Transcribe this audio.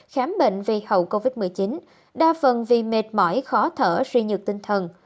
khám bệnh vì hậu covid một mươi chín đa phần vì mệt mỏi khó thở suy nhược tinh thần